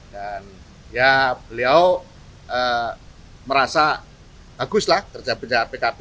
dan ya beliau merasa bagus lah terjabat jabat pkb